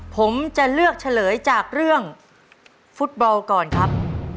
ผมจะเลือกเฉลยจากเรื่องฟุตบอลก่อนครับ